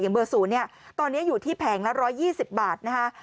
อย่างเบอร์ศูนย์เนี้ยตอนเนี้ยอยู่ที่แผงละร้อยยี่สิบบาทนะคะ